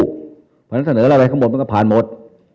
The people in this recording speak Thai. เพราะฉะนั้นเสนอรายละเอียดข้างบนมันก็ผ่านหมด